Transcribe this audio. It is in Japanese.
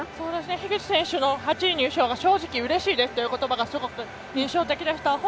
樋口選手の８位入賞が正直、うれしいですということばが印象的でした。